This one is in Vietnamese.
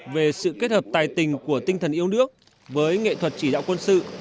về sự kết hợp tài tình của tinh thần yêu nước với nghệ thuật chỉ đạo quân sự